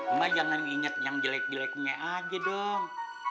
emang jangan inget yang jelek jeleknya aja dong